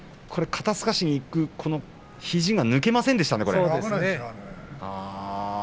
肩すかしにいく肘が抜けませんでしたね。